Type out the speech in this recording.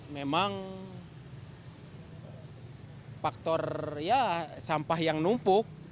memang faktor ya sampah yang numpuk